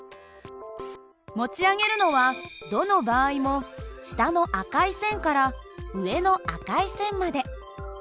持ち上げるのはどの場合も下の赤い線から上の赤い線まで。